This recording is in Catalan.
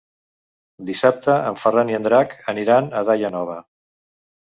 Dissabte en Ferran i en Drac aniran a Daia Nova.